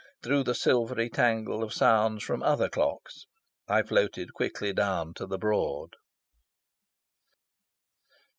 Through the silvery tangle of sounds from other clocks I floated quickly down to the Broad.